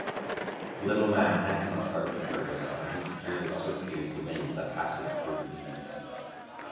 The little man handed his harp to Fergus and disappeared as swiftly as the wind that passes through the leaves.